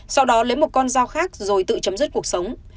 sau đó lấy một con dao khác rồi tự chấm dứt cuộc sống